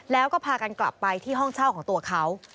แล้วก็พากันกลับไปที่ห้องเช่าของตัวเขา